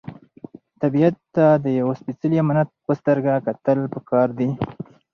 طبیعت ته د یو سپېڅلي امانت په سترګه کتل پکار دي.